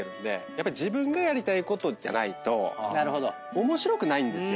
やっぱり自分がやりたいことじゃないと面白くないんですよ。